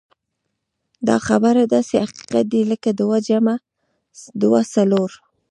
دا خبره داسې حقيقت دی لکه دوه جمع دوه څلور.